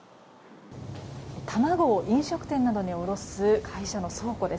卵を飲食店などに卸す会社の倉庫です。